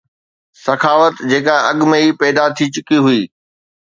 سخاوت جيڪا اڳ ۾ ئي پيدا ٿي چڪي هئي